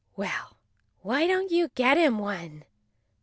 "Well, why don't you get him one?